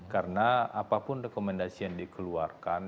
karena apapun rekomendasi yang dikeluarkan